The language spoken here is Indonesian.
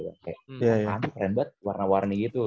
kayak apaan keren banget warna warni gitu